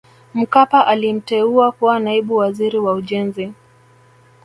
Mkapa alimteua kuwa Naibu Waziri wa Ujenzi